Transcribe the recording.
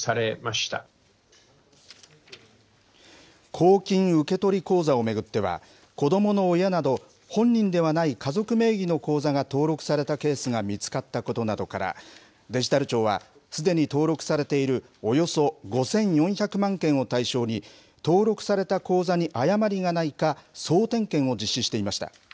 公金受取口座を巡っては、子どもの親など、本人ではない家族名義の口座が登録されたケースが見つかったことなどから、デジタル庁は、すでに登録されているおよそ５４００万件を対象に、登録された口座に誤りがないか、総点検を実施していました。